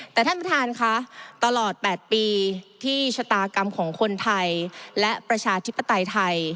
แต่ท่านประธานค่ะตลอด๘ปีที่ชะตากรรมของคนไทยและประชาธิปไตยไทย